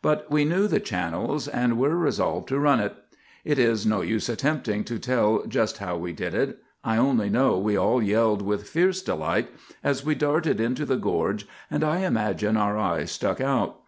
But we knew the channels, and were resolved to "run it." It is no use attempting to tell just how we did it. I only know we all yelled with fierce delight as we darted into the gorge, and I imagine our eyes stuck out.